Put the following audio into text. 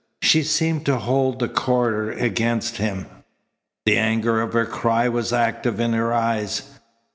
She seemed to hold the corridor against him. The anger of her cry was active in her eyes.